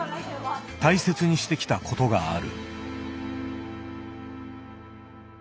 大切にしてきたことがある。